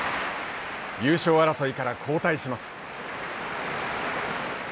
優勝争いから後退します。